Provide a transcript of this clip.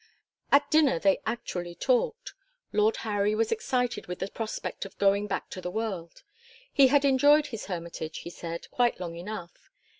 At dinner they actually talked. Lord Harry was excited with the prospect of going back to the world. He had enjoyed his hermitage, he said, quite long enough.